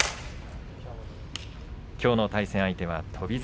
きょうの対戦相手は翔猿。